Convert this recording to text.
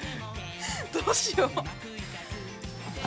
どうしよう。